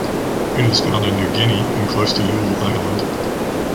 It is found in New Guinea and close to Yule Island.